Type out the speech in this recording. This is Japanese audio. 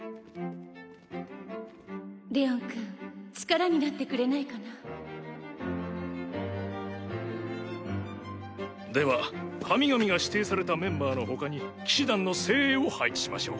レオンくん力になってでは神々が指定されたメンバーのほかに騎士団の精鋭を配置しましょう。